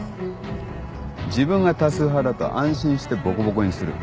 自分が多数派だと安心してボコボコにする。